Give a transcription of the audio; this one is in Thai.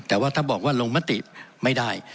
แต่ว่าถ้าบอกว่าลงมติไม่ได้